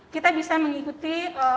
kita bisa mengikuti